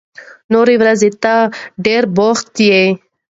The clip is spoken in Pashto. نورې ورځې ته ډېر بوخت يې.